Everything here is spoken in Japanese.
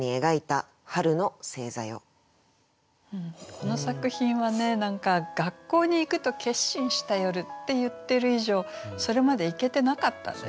この作品はね何か「学校に行くと決心した夜」って言ってる以上それまで行けてなかったんですよね。